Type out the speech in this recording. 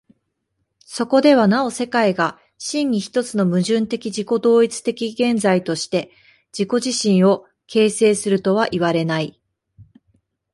そこではなお世界が真に一つの矛盾的自己同一的現在として自己自身を形成するとはいわれない。